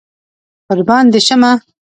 قربان دي شمه